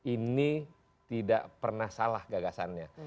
ini tidak pernah salah gagasannya